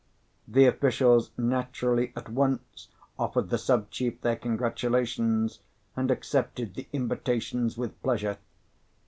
The officials naturally at once offered the sub chief their congratulations and accepted the invitations with pleasure.